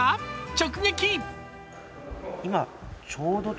直撃！